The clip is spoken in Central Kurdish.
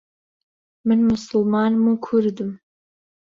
من موسڵمانم و کوردم.